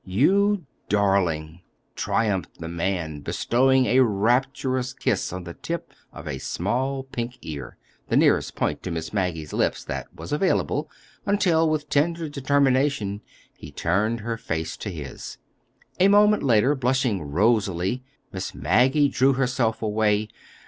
"You—darling!" triumphed the man, bestowing a rapturous kiss on the tip of a small pink ear—the nearest point to Miss Maggie's lips that was available, until, with tender determination, he turned her face to his. A moment later, blushing rosily, Miss Maggie drew herself away.